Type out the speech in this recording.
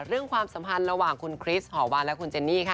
ความสัมพันธ์ระหว่างคุณคริสหอวันและคุณเจนนี่ค่ะ